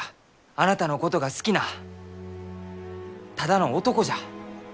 あなたのことが好きなただの男じゃ！